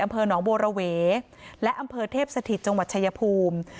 อำเภอหนองบัวระเวและอำเภอเทพสถิตจังหวัดชายภูมิ